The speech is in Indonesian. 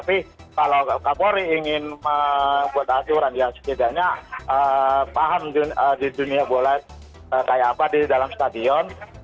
tapi kalau kapolri ingin membuat aturan ya setidaknya paham di dunia bola kayak apa di dalam stadion